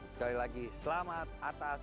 sekali lagi selamat atas